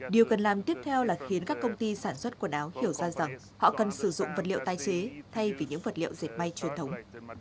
điều cần làm tiếp theo là khiến các công ty sản xuất quần áo hiểu ra rằng họ cần sử dụng vật liệu tái chế thay vì những vật liệu diệt may truyền thống